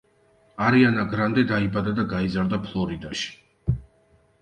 არიანა გრანდე დაიბადა და გაიზარდა ფლორიდაში.